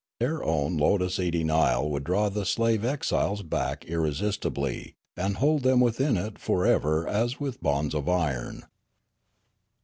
Their own lotos eating isle would draw the slave exiles back irresistibly, and hold them within it for ever as with bonds of iron.